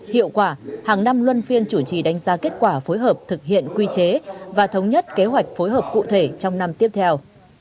hiệu quả hàng năm luân phiên chủ trì đánh giá kết quả phối hợp thực hiện quy chế và thống nhất kế hoạch phối hợp cụ thể trong năm tiếp theo